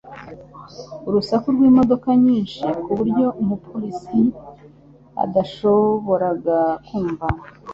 Urusaku rw'imodoka nyinshi ku buryo umupolisi atashoboraga kumva